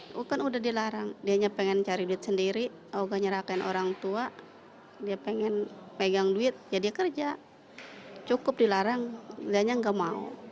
aku kan udah dilarang dianya pengen cari duit sendiri oh gak nyerahkan orang tua dia pengen pegang duit ya dia kerja cukup dilarang dianya nggak mau